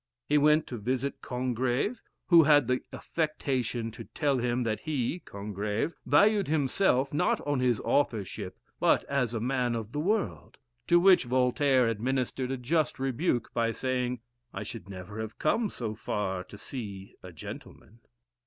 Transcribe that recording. He went to visit Congreve, who had the affectation to tell him that he (Congreve) valued himself, not on his authorship, but as a man of the world. To which Voltaire administered a just rebuke by saying, "I should never have come so far to see a gentleman!"